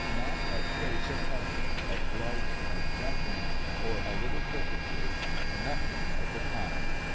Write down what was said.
Not a trace of hovering, of gliding, of jumping, or a little coquetry; nothing of the kind.